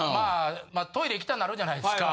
トイレ行きたなるじゃないですか。